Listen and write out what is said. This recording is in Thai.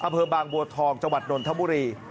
อำเภอบางบัวทองจังหวัดนนทบุรี